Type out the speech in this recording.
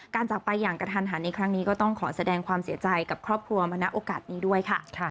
จากไปอย่างกระทันหันในครั้งนี้ก็ต้องขอแสดงความเสียใจกับครอบครัวมาณโอกาสนี้ด้วยค่ะ